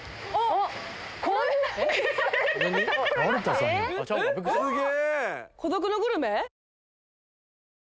すげえ！